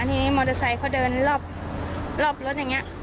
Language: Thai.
ทีนี้มอเตอร์ไซค์เขาเดินรอบรถอย่างนี้